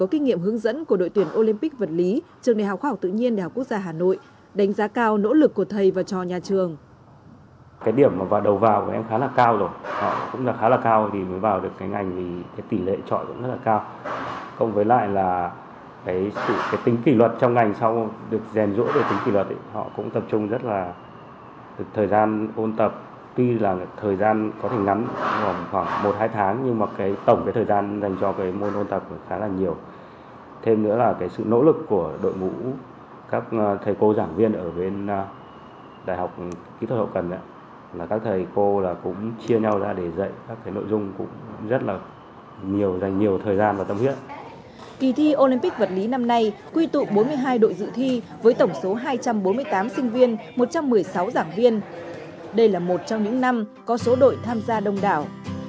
kỳ thi olympic vật lý năm nay quy tụ bốn mươi hai đội dự thi với tổng số hai trăm bốn mươi tám sinh viên một trăm một mươi sáu giảng viên đây là một trong những năm có số đội tham gia đông đảo